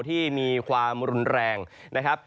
ที่มีความรุนแรงนะครับ